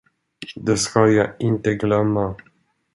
Det skall jag inte glömma.